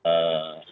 seperti di indonesia